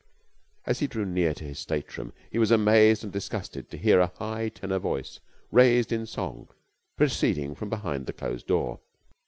As he drew near to his stateroom, he was amazed and disgusted to hear a high tenor voice raised in song proceeding from behind the closed door.